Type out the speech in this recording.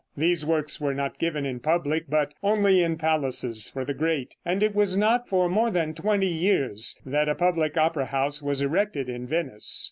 These works were not given in public, but only in palaces for the great, and it was not for more than twenty years that a public opera house was erected in Venice.